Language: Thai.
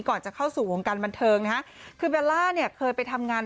ก่อนจะเข้าสู่วงการบันเทิงนะฮะคือเบลล่าเนี่ยเคยไปทำงาน